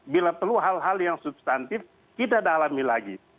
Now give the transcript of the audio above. bila perlu hal hal yang substantif kita dalami lagi